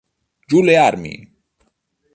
Giù le armi!